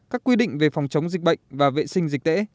các quy định về phòng chống dịch bệnh và vệ sinh dịch tễ